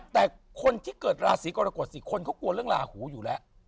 แต่คนที่เกิดราศีกรกฎสิคนเขากลัวเรื่องลาหูอยู่แล้ว